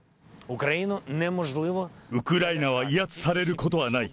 ウクライナは威圧されることはない。